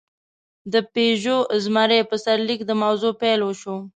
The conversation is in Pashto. د «پيژو زمری» په سرلیک د موضوع پېل وشو.